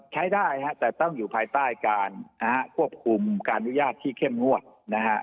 ใช้ได้ฮะแต่ต้องอยู่ภายใต้การควบคุมการอนุญาตที่เข้มงวดนะฮะ